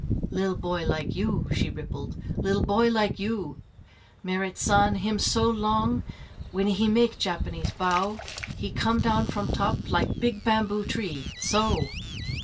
"Li'l boy like you!" she rippled, "li'l boy like you! Merrit San him so long when he make Japanese bow he come down from top like big bamboo tree so!"